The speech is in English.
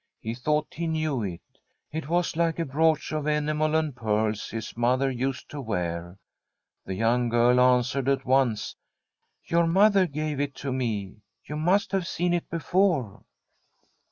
He thought he knew it; it was like a brooch of enamel and pearls his mother used to wear. The young girl answered at once. ' Your mother gave it to me. You must have seen it before.'